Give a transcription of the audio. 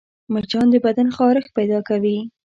مچان د بدن خارښت پیدا کوي